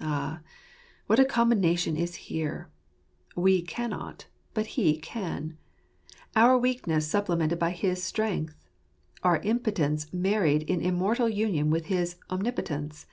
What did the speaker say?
Ah, what a combination is here! We cannot; but He can! Our weakness supple mented by his Strength ! Our impotence married in immortal union with his Omnipotence.